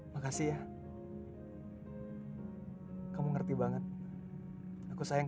makasih ya sayang